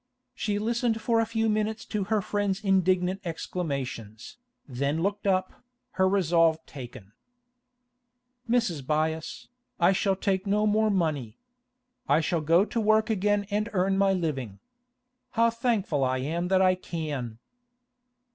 She listened for a few minutes to her friend's indignant exclamations, then looked up, her resolve taken. 'Mrs. Byass, I shall take no more money. I shall go to work again and earn my living. How thankful I am that I can!